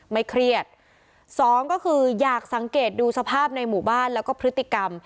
เครียดสองก็คืออยากสังเกตดูสภาพในหมู่บ้านแล้วก็พฤติกรรม